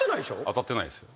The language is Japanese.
当たってないですよ。